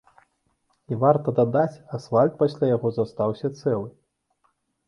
І, варта дадаць, асфальт пасля яго застаўся цэлы.